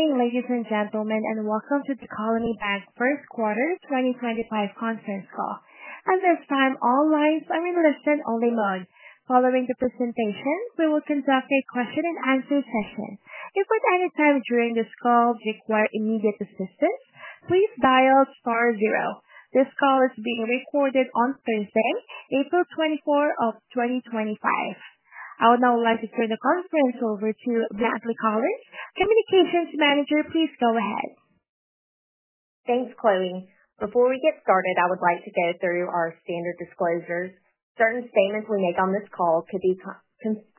Good evening, ladies and gentlemen, and welcome to the Colony Bank first quarter 2025 conference call. At this time, all lines are in listen-only mode. Following the presentation, we will conduct a question-and-answer session. If at any time during this call you require immediate assistance, please dial star zero. This call is being recorded on Thursday, April 24, 2025. I would now like to turn the conference over to Brantley Collins, Communications Manager. Please go ahead. Thanks, Chloe. Before we get started, I would like to go through our standard disclosures. Certain statements we make on this call could be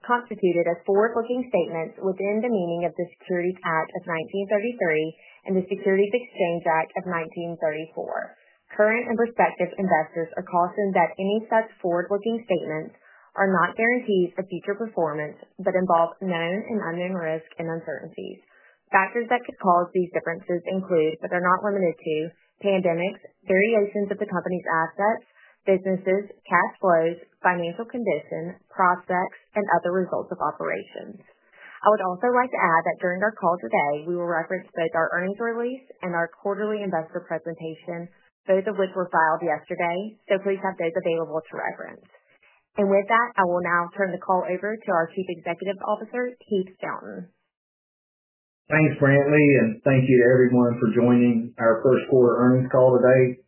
constituted as forward-looking statements within the meaning of the Securities Act of 1933 and the Securities Exchange Act of 1934. Current and prospective investors are cautioned that any such forward-looking statements are not guarantees of future performance but involve known and unknown risk and uncertainties. Factors that could cause these differences include, but are not limited to, pandemics, variations of the company's assets, businesses, cash flows, financial condition, prospects, and other results of operations. I would also like to add that during our call today, we will reference both our earnings release and our quarterly investor presentation, both of which were filed yesterday, so please have those available to reference. With that, I will now turn the call over to our Chief Executive Officer, Heath Fountain. Thanks, Brantley, and thank you to everyone for joining our first quarter earnings call today.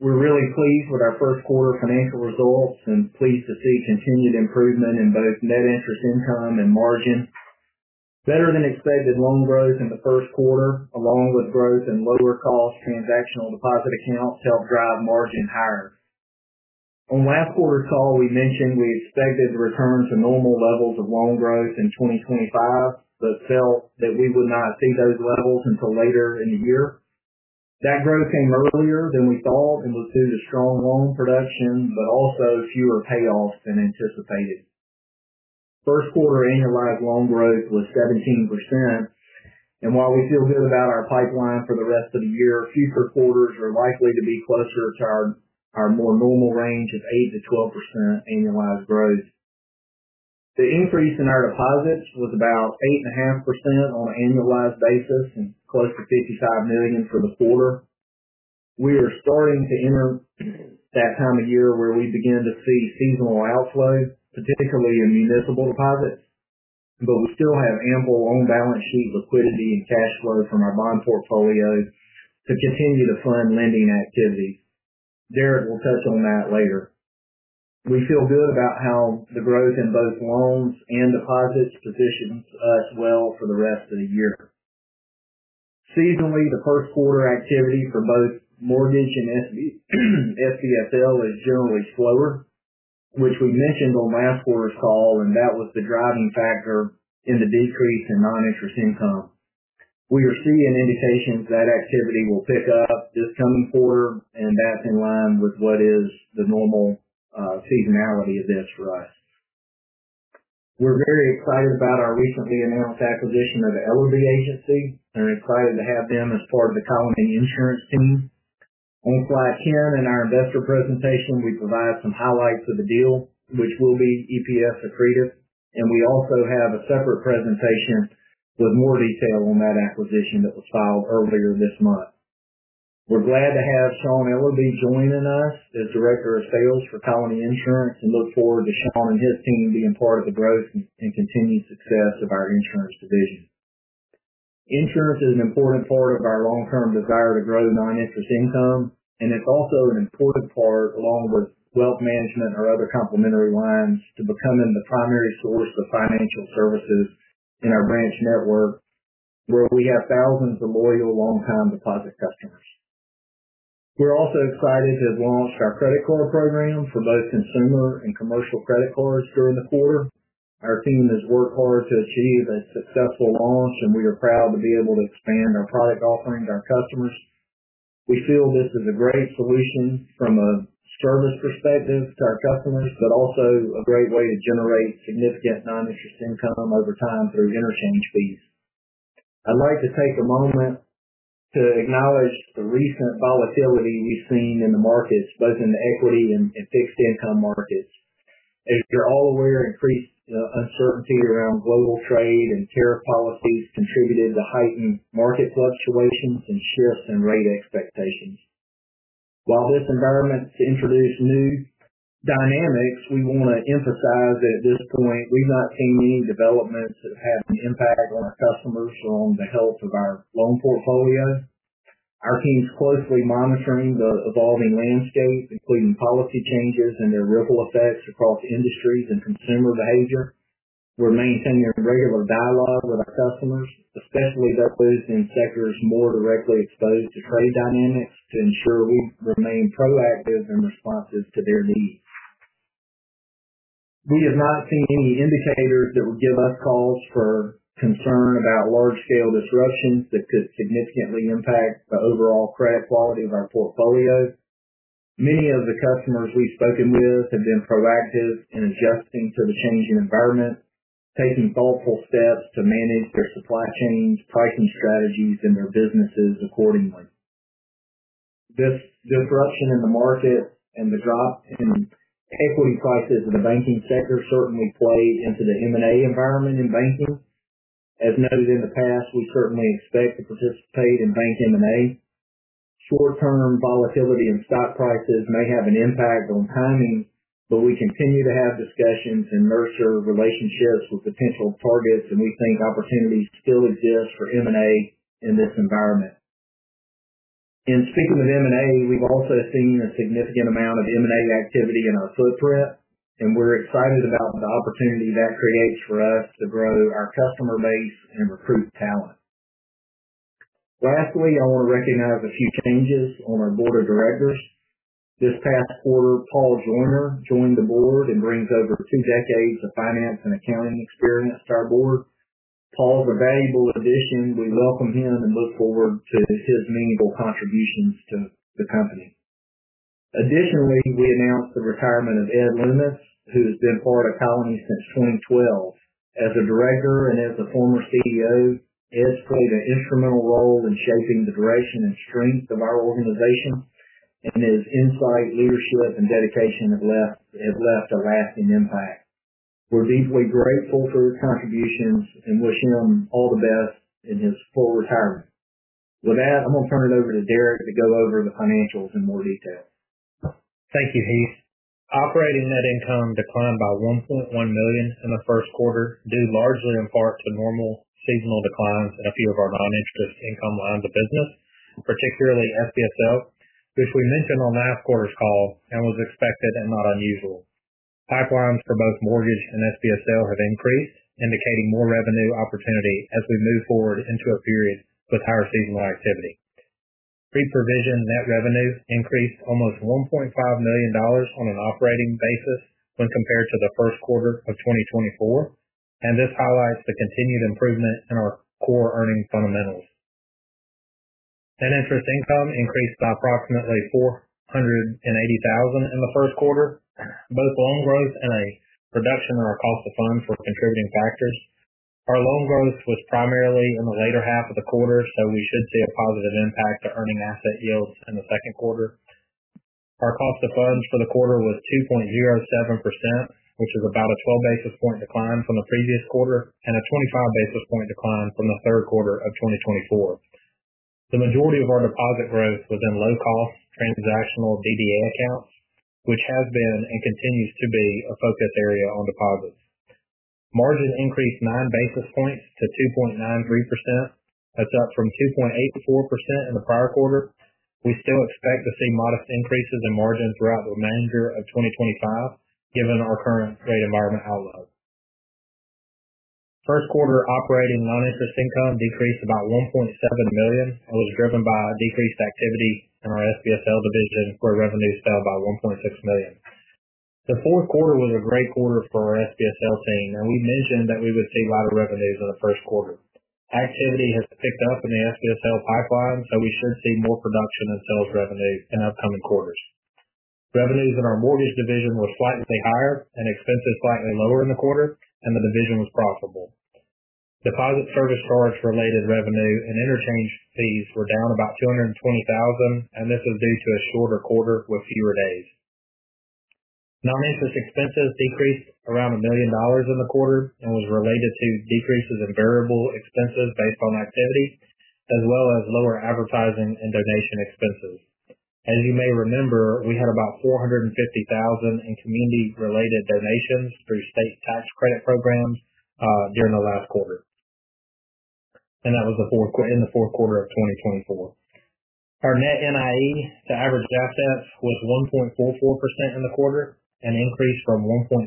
We're really pleased with our first quarter financial results and pleased to see continued improvement in both net interest income and margin. Better-than-expected loan growth in the first quarter, along with growth in lower-cost transactional deposit accounts, helped drive margin higher. On last quarter's call, we mentioned we expected to return to normal levels of loan growth in 2025, but felt that we would not see those levels until later in the year. That growth came earlier than we thought and was due to strong loan production but also fewer payoffs than anticipated. First quarter annualized loan growth was 17%, and while we feel good about our pipeline for the rest of the year, future quarters are likely to be closer to our more normal range of 8%-12% annualized growth. The increase in our deposits was about 8.5% on an annualized basis and close to $55 million for the quarter. We are starting to enter that time of year where we begin to see seasonal outflow, particularly in municipal deposits, but we still have ample on-balance sheet liquidity and cash flow from our bond portfolio to continue to fund lending activities. Derek will touch on that later. We feel good about how the growth in both loans and deposits positions us well for the rest of the year. Seasonally, the first quarter activity for both mortgage and SBSL is generally slower, which we mentioned on last quarter's call, and that was the driving factor in the decrease in non-interest income. We are seeing indications that activity will pick up this coming quarter, and that's in line with what is the normal seasonality of this for us. We're very excited about our recently announced acquisition of Ellerbee Agency and are excited to have them as part of the Colony Insurance team. On slide 10 in our investor presentation, we provide some highlights of the deal, which will be EPS accretive, and we also have a separate presentation with more detail on that acquisition that was filed earlier this month. We're glad to have Sean Ellerbee joining us as Director of Sales for Colony Insurance and look forward to Sean and his team being part of the growth and continued success of our insurance division. Insurance is an important part of our long-term desire to grow non-interest income, and it's also an important part, along with wealth management or other complementary lines, to becoming the primary source of financial services in our branch network where we have thousands of loyal long-time deposit customers. We're also excited to have launched our credit card program for both consumer and commercial credit cards during the quarter. Our team has worked hard to achieve a successful launch, and we are proud to be able to expand our product offering to our customers. We feel this is a great solution from a service perspective to our customers, but also a great way to generate significant non-interest income over time through interchange fees. I'd like to take a moment to acknowledge the recent volatility we've seen in the markets, both in the equity and fixed income markets. As you're all aware, increased uncertainty around global trade and tariff policies contributed to heightened market fluctuations and shifts in rate expectations. While this environment's introduced new dynamics, we want to emphasize that at this point, we've not seen any developments that have had an impact on our customers or on the health of our loan portfolio. Our team's closely monitoring the evolving landscape, including policy changes and their ripple effects across industries and consumer behavior. We're maintaining regular dialogue with our customers, especially those in sectors more directly exposed to trade dynamics, to ensure we remain proactive and responsive to their needs. We have not seen any indicators that would give us cause for concern about large-scale disruptions that could significantly impact the overall credit quality of our portfolio. Many of the customers we've spoken with have been proactive in adjusting to the changing environment, taking thoughtful steps to manage their supply chains, pricing strategies, and their businesses accordingly. This disruption in the market and the drop in equity prices in the banking sector certainly played into the M&A environment in banking. As noted in the past, we certainly expect to participate in bank M&A. Short-term volatility in stock prices may have an impact on timing, but we continue to have discussions and nurture relationships with potential targets, and we think opportunities still exist for M&A in this environment. In speaking of M&A, we've also seen a significant amount of M&A activity in our footprint, and we're excited about the opportunity that creates for us to grow our customer base and recruit talent. Lastly, I want to recognize a few changes on our board of directors. This past quarter, Paul Joiner joined the board and brings over two decades of finance and accounting experience to our board. Paul's a valuable addition. We welcome him and look forward to his meaningful contributions to the company. Additionally, we announced the retirement of Ed Loomis, who has been part of Colony since 2012. As a director and as a former CEO, Ed's played an instrumental role in shaping the direction and strength of our organization, and his insight, leadership, and dedication have left a lasting impact. We're deeply grateful for his contributions and wish him all the best in his full retirement. With that, I'm going to turn it over to Derek to go over the financials in more detail. Thank you, Heath. Operating net income declined by $1.1 million in the first quarter due largely in part to normal seasonal declines in a few of our non-interest income lines of business, particularly SBSL, which we mentioned on last quarter's call and was expected and not unusual. Pipelines for both mortgage and SBSL have increased, indicating more revenue opportunity as we move forward into a period with higher seasonal activity. Pre-provision net revenue increased almost $1.5 million on an operating basis when compared to the first quarter of 2024, and this highlights the continued improvement in our core earning fundamentals. Net interest income increased by approximately $480,000 in the first quarter. Both loan growth and a reduction in our cost of funds were contributing factors. Our loan growth was primarily in the later half of the quarter, so we should see a positive impact to earning asset yields in the second quarter. Our cost of funds for the quarter was 2.07%, which is about a 12 basis point decline from the previous quarter and a 25 basis point decline from the third quarter of 2024. The majority of our deposit growth was in low-cost transactional DDA accounts, which has been and continues to be a focus area on deposits. Margin increased 9 basis points to 2.93%. That's up from 2.84% in the prior quarter. We still expect to see modest increases in margin throughout the remainder of 2025, given our current rate environment outlook. First quarter operating non-interest income decreased about $1.7 million and was driven by decreased activity in our SBSL division, where revenues fell by $1.6 million. The fourth quarter was a great quarter for our SBSL team, and we mentioned that we would see lighter revenues in the first quarter. Activity has picked up in the SBSL pipeline, so we should see more production and sales revenue in upcoming quarters. Revenues in our mortgage division were slightly higher and expenses slightly lower in the quarter, and the division was profitable. Deposit service charge-related revenue and interchange fees were down about $220,000, and this is due to a shorter quarter with fewer days. Non-interest expenses decreased around $1 million in the quarter and was related to decreases in variable expenses based on activity, as well as lower advertising and donation expenses. As you may remember, we had about $450,000 in community-related donations through state tax credit programs during the last quarter, and that was in the fourth quarter of 2024. Our Net NIE to average assets, was 1.44% in the quarter and increased from 1.35%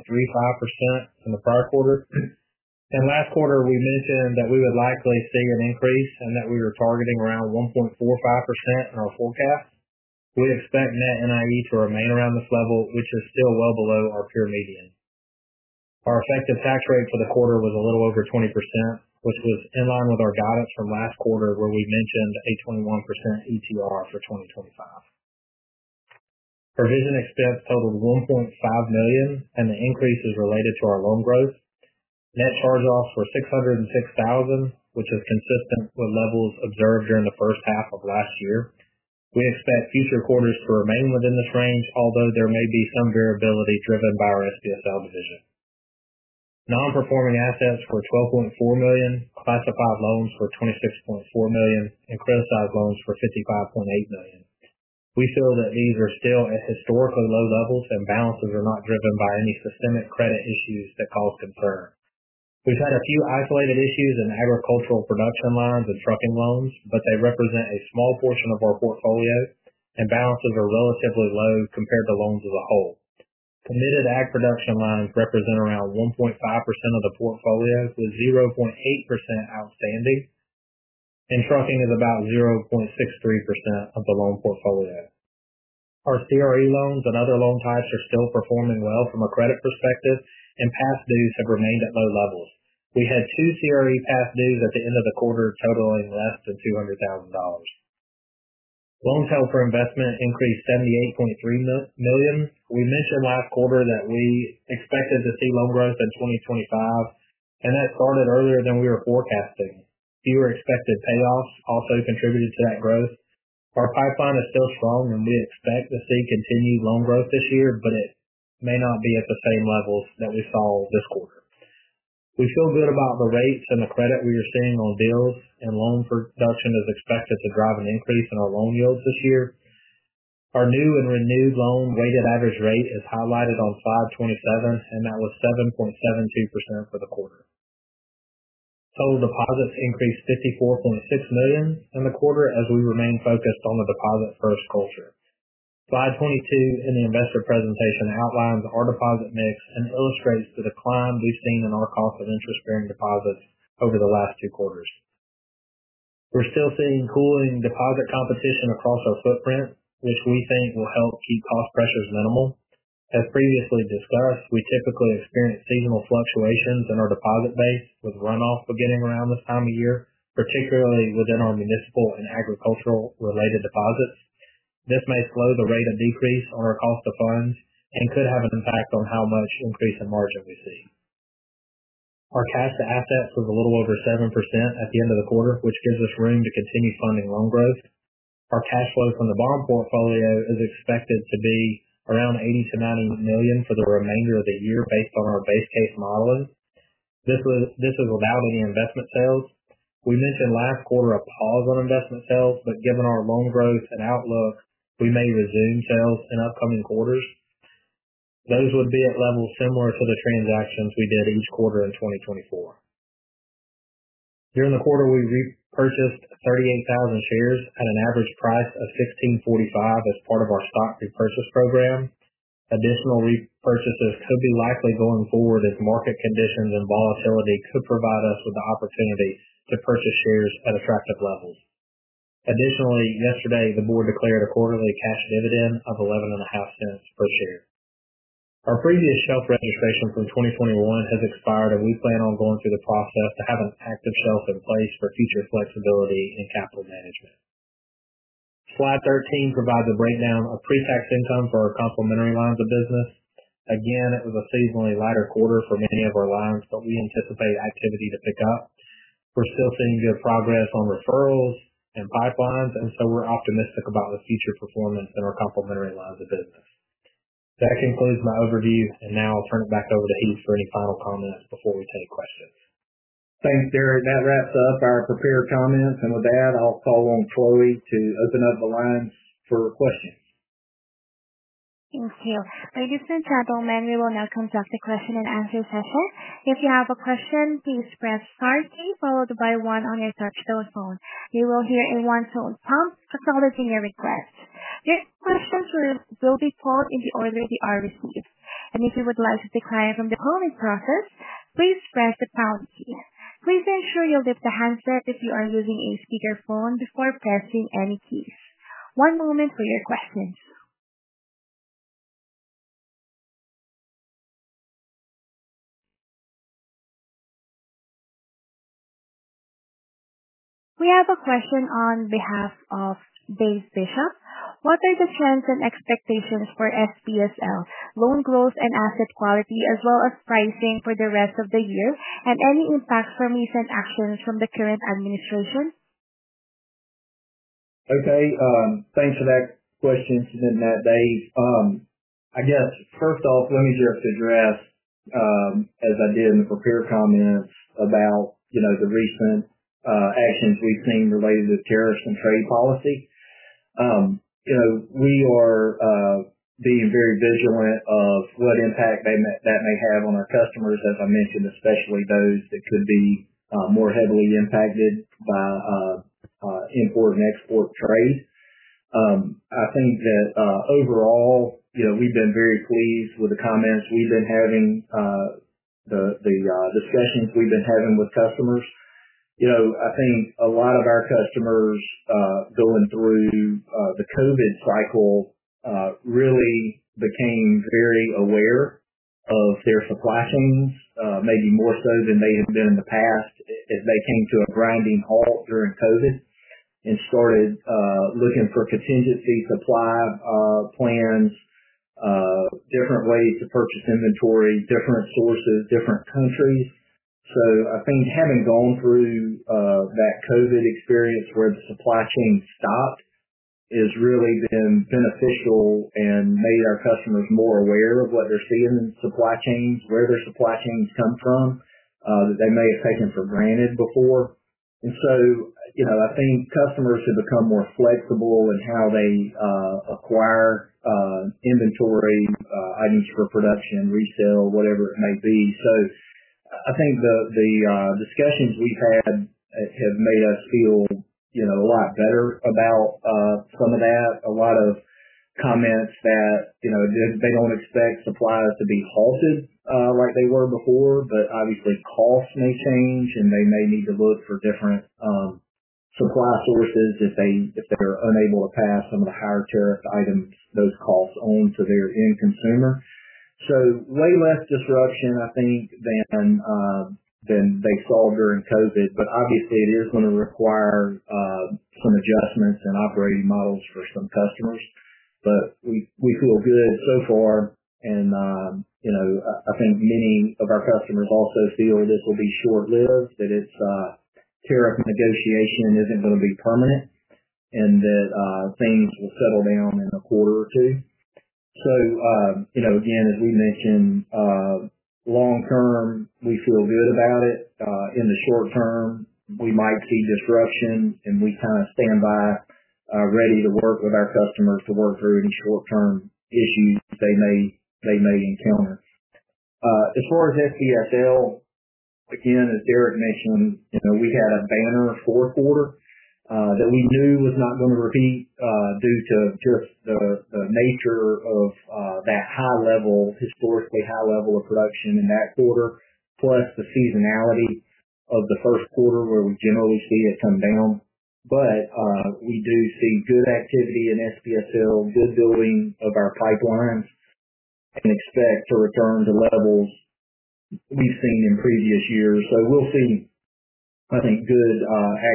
in the prior quarter. In last quarter, we mentioned that we would likely see an increase and that we were targeting around 1.45% in our forecast. We expect net NIE to remain around this level, which is still well below our peer median. Our effective tax rate for the quarter was a little over 20%, which was in line with our guidance from last quarter, where we mentioned a 21% ETR for 2025. Provision expense totaled $1.5 million, and the increase is related to our loan growth. Net charge-offs were $606,000, which is consistent with levels observed during the first half of last year. We expect future quarters to remain within this range, although there may be some variability driven by our SBSL division. Non-performing assets were $12.4 million, classified loans were $26.4 million, and criticized loans were $55.8 million. We feel that these are still at historically low levels, and balances are not driven by any systemic credit issues that cause concern. We've had a few isolated issues in agricultural production lines and trucking loans, but they represent a small portion of our portfolio, and balances are relatively low compared to loans as a whole. Committed ag production lines represent around 1.5% of the portfolio, with 0.8% outstanding, and trucking is about 0.63% of the loan portfolio. Our CRE loans and other loan types are still performing well from a credit perspective, and past dues have remained at low levels. We had two CRE past dues at the end of the quarter totaling less than $200,000. Loans held for investment increased $78.3 million. We mentioned last quarter that we expected to see loan growth in 2025, and that started earlier than we were forecasting. Fewer expected payoffs also contributed to that growth. Our pipeline is still strong, and we expect to see continued loan growth this year, but it may not be at the same levels that we saw this quarter. We feel good about the rates and the credit we are seeing on deals, and loan production is expected to drive an increase in our loan yields this year. Our new and renewed loan weighted average rate is highlighted on slide 27, and that was 7.72% for the quarter. Total deposits increased $54.6 million in the quarter as we remain focused on the Deposit First culture. Slide 22 in the investor presentation outlines our deposit mix and illustrates the decline we've seen in our cost of interest-bearing deposits over the last two quarters. We're still seeing cooling deposit competition across our footprint, which we think will help keep cost pressures minimal. As previously discussed, we typically experience seasonal fluctuations in our deposit base with runoff beginning around this time of year, particularly within our municipal and agricultural-related deposits. This may slow the rate of decrease on our cost of funds and could have an impact on how much increase in margin we see. Our cash to assets was a little over 7% at the end of the quarter, which gives us room to continue funding loan growth. Our cash flow from the bond portfolio is expected to be around $80 million-$90 million for the remainder of the year based on our base case modeling. This is without any investment sales. We mentioned last quarter a pause on investment sales, but given our loan growth and outlook, we may resume sales in upcoming quarters. Those would be at levels similar to the transactions we did each quarter in 2024. During the quarter, we repurchased 38,000 shares at an average price of $16.45 as part of our stock repurchase program. Additional repurchases could be likely going forward as market conditions and volatility could provide us with the opportunity to purchase shares at attractive levels. Additionally, yesterday, the board declared a quarterly cash dividend of $11.50 per share. Our previous shelf registration from 2021 has expired, and we plan on going through the process to have an active shelf in place for future flexibility in capital management. Slide 13 provides a breakdown of pre-tax income for our complementary lines of business. Again, it was a seasonally lighter quarter for many of our lines, but we anticipate activity to pick up. We're still seeing good progress on referrals and pipelines, and so we're optimistic about the future performance in our complementary lines of business. That concludes my overview, and now I'll turn it back over to Heath for any final comments before we take questions. Thanks, Derek. That wraps up our prepared comments, and with that, I'll call on Chloe to open up the lines for questions. Thank you. Ladies and gentlemen, we will now conduct a question-and-answer session. If you have a question, please press the star key followed by one on your touch-tone phone. You will hear a one-tone prompt acknowledging your request. Your questions will be called in the order they are received, and if you would like to decline from the polling process, please press the pound key. Please ensure you lift the handset if you are using a speakerphone before pressing any keys. One moment for your questions. We have a question on behalf of Dave Bishop. What are the trends and expectations for SBSL, loan growth and asset quality, as well as pricing for the rest of the year, and any impacts from recent actions from the current administration? Okay. Thanks for that question, Dave. I guess, first off, let me just address, as I did in the prepared comments, about the recent actions we've seen related to tariffs and trade policy. We are being very vigilant of what impact that may have on our customers, as I mentioned, especially those that could be more heavily impacted by import and export trade. I think that overall, we've been very pleased with the comments we've been having, the discussions we've been having with customers. I think a lot of our customers going through the COVID cycle really became very aware of their supply chains, maybe more so than they had been in the past as they came to a grinding halt during COVID and started looking for contingency supply plans, different ways to purchase inventory, different sources, different countries. I think having gone through that COVID experience where the supply chain stopped has really been beneficial and made our customers more aware of what they're seeing in supply chains, where their supply chains come from that they may have taken for granted before. I think customers have become more flexible in how they acquire inventory items for production, resale, whatever it may be. I think the discussions we've had have made us feel a lot better about some of that. A lot of comments that they don't expect supplies to be halted like they were before, but obviously costs may change, and they may need to look for different supply sources if they are unable to pass some of the higher tariff items, those costs onto their end consumer. Way less disruption, I think, than they saw during COVID, but obviously it is going to require some adjustments in operating models for some customers. We feel good so far, and I think many of our customers also feel this will be short-lived, that this tariff negotiation is not going to be permanent and that things will settle down in a quarter or two. Again, as we mentioned, long term, we feel good about it. In the short term, we might see disruption, and we kind of stand by ready to work with our customers to work through any short-term issues they may encounter. As far as SBSL, again, as Derek mentioned, we had a banner fourth quarter that we knew was not going to repeat due to just the nature of that high level, historically high level of production in that quarter, plus the seasonality of the first quarter where we generally see it come down. We do see good activity in SBSL, good building of our pipelines, and expect to return to levels we've seen in previous years. We will see, I think, good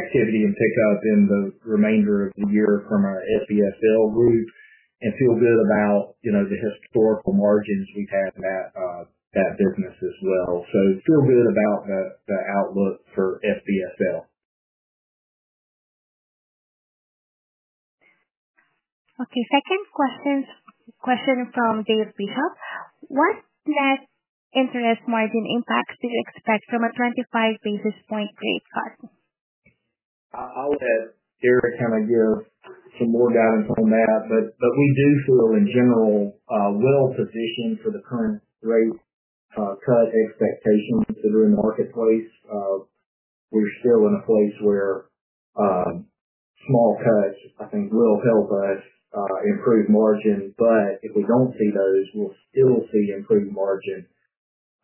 activity and pickup in the remainder of the year from our SBSL group and feel good about the historical margins we've had in that business as well. We feel good about the outlook for SBSL. Okay. Second question from Dave Bishop. What net interest margin impacts do you expect from a 25 basis point rate cut? I'll let Derek kind of give some more guidance on that, but we do feel in general well-positioned for the current rate cut expectations that are in the marketplace. We're still in a place where small cuts, I think, will help us improve margin, but if we don't see those, we'll still see improved margin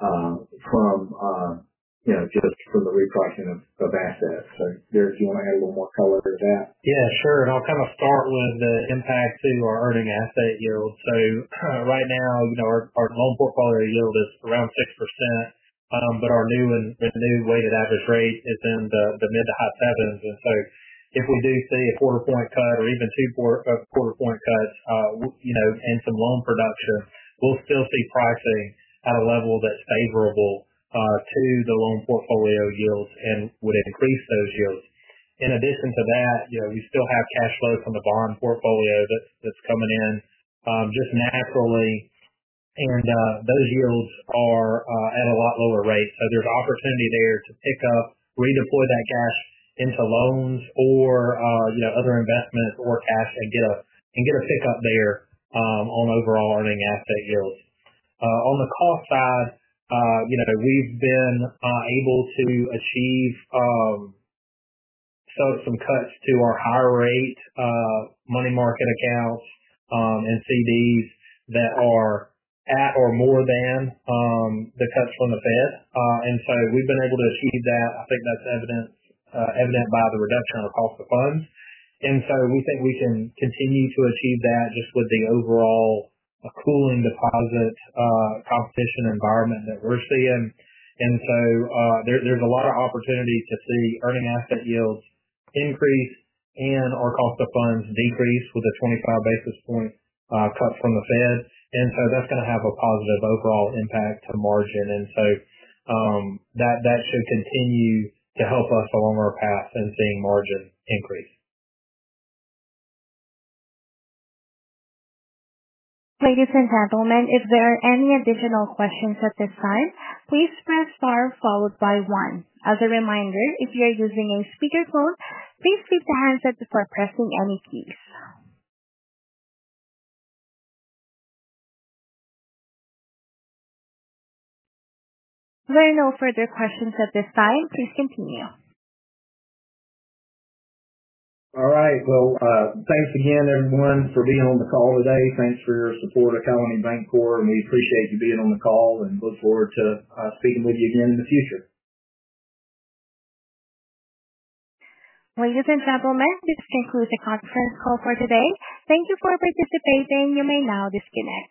just from the repricing of assets. Derek, do you want to add a little more color to that? Yeah, sure. I'll kind of start with the impact to our earning asset yield. Right now, our loan portfolio yield is around 6%, but our new and renewed weighted average rate is in the mid to high 7%. If we do see a quarter point cut or even two quarter point cuts and some loan production, we'll still see pricing at a level that's favorable to the loan portfolio yields and would increase those yields. In addition to that, we still have cash flow from the bond portfolio that's coming in just naturally, and those yields are at a lot lower rate. There's opportunity there to pick up, redeploy that cash into loans or other investments or cash and get a pickup there on overall earning asset yields. On the cost side, we've been able to achieve some cuts to our higher rate money market accounts and CDs that are at or more than the cuts from the Fed. We've been able to achieve that. I think that's evident by the reduction across the funds. We think we can continue to achieve that just with the overall cooling deposit competition environment that we're seeing. There's a lot of opportunity to see earning asset yields increase and our cost of funds decrease with a 25 basis point cut from the Fed. That's going to have a positive overall impact to margin. That should continue to help us along our path in seeing margin increase. Ladies and gentlemen, if there are any additional questions at this time, please press star followed by one. As a reminder, if you are using a speakerphone, please keep the handset before pressing any keys. There are no further questions at this time. Please continue. All right. Thanks again, everyone, for being on the call today. Thanks for your support of Colony Bankcorp, and we appreciate you being on the call and look forward to speaking with you again in the future. Ladies and gentlemen, this concludes the conference call for today. Thank you for participating. You may now disconnect.